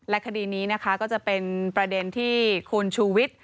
และคดีนี้ก็จะเป็นประเด็นที่คุณชูวิศ